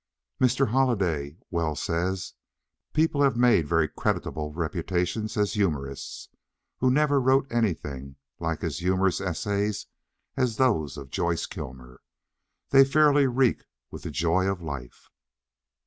Mr. Holliday well says: "People have made very creditable reputations as humorists who never wrote anything like as humorous essays as those of Joyce Kilmer. They fairly reek with the joy of life."